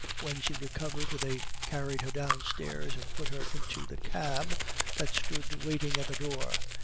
When she recovered they carried her downstairs, and put her into the cab that stood waiting at the door.